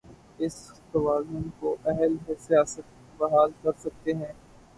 اس توازن کو اہل سیاست بحال کر سکتے ہیں۔